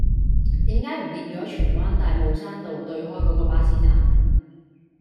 點解唔見左荃灣大帽山道對開嗰個巴士站